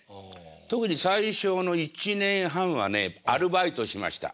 特に最初の１年半はねアルバイトしました。